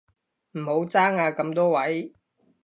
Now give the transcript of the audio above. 唔好爭啊咁多位